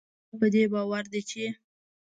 ډیری خلک په دې باور دي چې